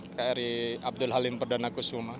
kri abdul halim perdana kusuma